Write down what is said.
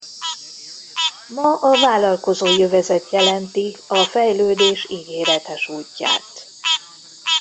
Ma a vállalkozói övezet jelenti a fejlődés ígéretes útját.